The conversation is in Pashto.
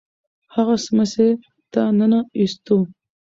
هغه سمڅې ته ننه ایستو.